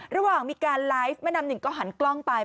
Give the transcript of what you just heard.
ระหว่างมีการไลฟ์แม่น้ำหนึ่งก็หันกล้องไป